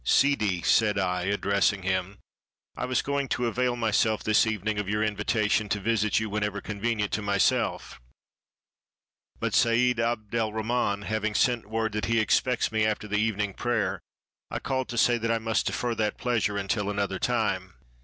"Sidi," said I, addressing him, "I was going to avail myself this evening of your invitation to visit you when ever convenient to myself; but Seid Abd' el Rahman having sent word that he expects me after the evening prayer, I called to say that I must defer that pleasure until another time."